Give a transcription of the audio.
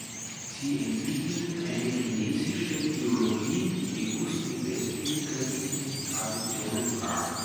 Sie entwickelten eine „chinesische Theologie“, die bewusst mit westlichen christlichen Traditionen brach.